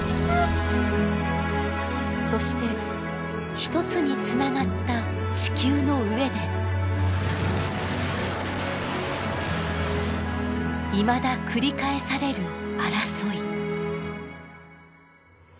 そして一つにつながった地球の上でいまだ繰り返される争い。